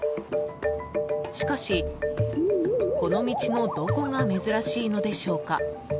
しかし、この道のどこが珍しいのでしょうか。